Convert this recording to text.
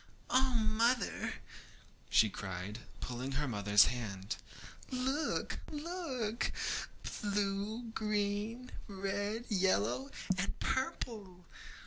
'Oh, mother, oh!' cried she, pulling her mother's hand, 'look, look! blue, green, red, yellow, and purple!